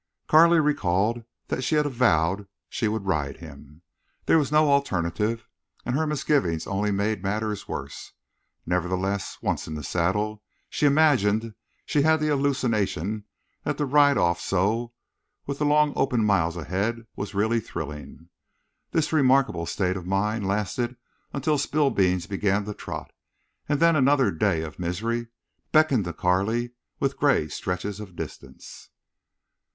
Carley recalled that she had avowed she would ride him. There was no alternative, and her misgivings only made matters worse. Nevertheless, once in the saddle, she imagined she had the hallucination that to ride off so, with the long open miles ahead, was really thrilling. This remarkable state of mind lasted until Spillbeans began to trot, and then another day of misery beckoned to Carley with gray stretches of distance.